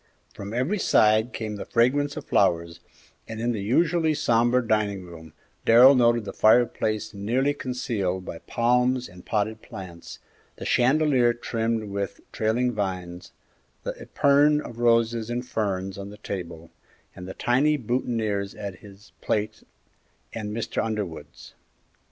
From every side came the fragrance of flowers, and in the usually sombre dining room Darrell noted the fireplace nearly concealed by palms and potted plants, the chandelier trimmed with trailing vines, the epergne of roses and ferns on the table, and the tiny boutonnières at his plate and Mr. Underwood's.